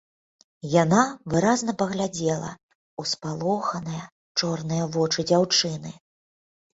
Яна выразна паглядзела у спалоханыя чорныя вочы дзяўчыны